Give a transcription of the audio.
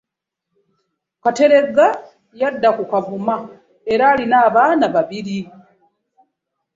Katerega yadda ku Kavuma era alina abaana babiri.